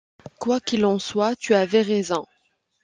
Quoi qu’il en soit tu avais raison.